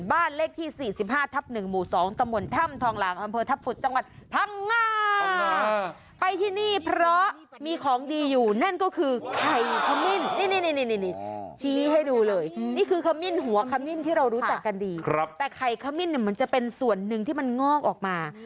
บ้านเลขที่๔๕ทับ๑หมู่๒ตมถ้ำทองหลากบทับฝุดจังหวัดพังงา